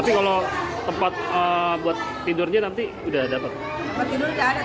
tapi kalau tempat buat tidurnya nanti sudah dapat